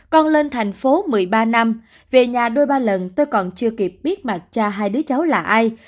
con lên thành phố một mươi ba năm về nhà đôi ba lần tôi còn chưa kịp biết mặt cho hai đứa cháu là ai